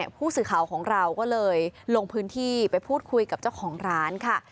ผู้สื่อข่าวของเราก็เลยลงพื้นที่ไปพูดคุยกับเจ้าของร้านค่ะ